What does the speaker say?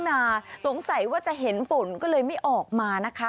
ดาวน์ถ้าสงสัยว่าจะเห็นฝนก็เลยไม่ออกมา